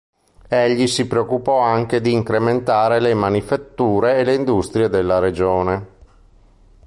Egli si preoccupò anche di incrementare le manifatture e le industrie della regione.